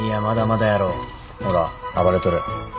ほら暴れとる。